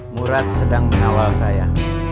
murad sedang menawal saya